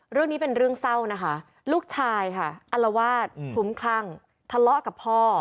เรื่องนี้เป็นเรื่องเศร้านะคะลูกชายค่ะอลวาดคลุ้มคลั่งทะเลาะกับพ่อ